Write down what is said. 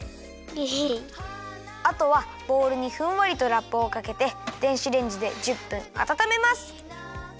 あとはボウルにふんわりとラップをかけて電子レンジで１０分あたためます。